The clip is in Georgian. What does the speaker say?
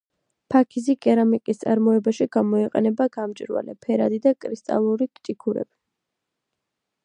ფაქიზი კერამიკის წარმოებაში გამოიყენება გამჭვირვალე, ფერადი და კრისტალური ჭიქურები.